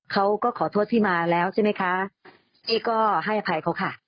เขาก็ขอโทษพี่มาแล้วใช่ไหมคะพี่ก็ให้อภัยเขาค่ะ